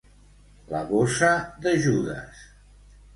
La bossa de Judes.